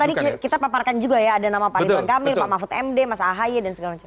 tadi kita paparkan juga ya ada nama pak ridwan kamil pak mahfud md mas ahy dan segala macam